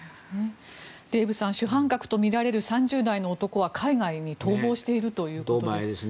デーブさん主犯格とみられる３０代の男は海外に逃亡しているということです。